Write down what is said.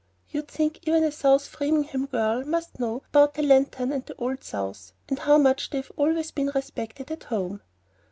You'd think even a South Framingham girl must know about the lantern and the Old South, and how much they've always been respected at home."